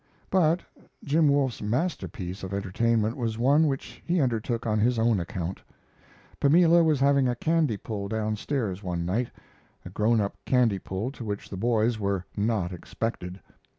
But Jim Wolfe's masterpiece of entertainment was one which he undertook on his own account. Pamela was having a candy pull down stairs one night a grown up candy pull to which the boys were not expected.